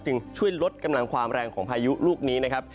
จึงช่วยลดกำลังความแรงของพายุลูกนี้นะครับ